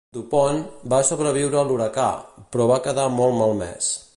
"Du Pont" va sobreviure a l'huracà, però va quedar molt malmès.